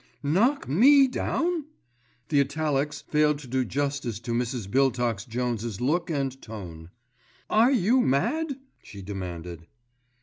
"Knock me down?" The italics fail to do justice to Mrs. Biltox Jones's look and tone. "Are you mad?" she demanded.